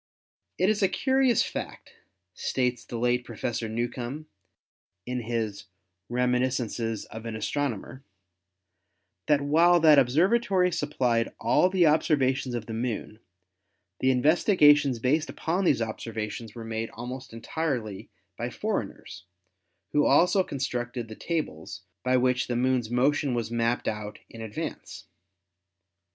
"It is a curious fact," states the late Professor Newcomb in his "Reminiscences of an Astronomer," "that while that observatory supplied all the observations of the Moon, the investigations based upon these observations were made almost entirely by foreigners, who also constructed the tables by which the Moon's motion was mapped out in advance.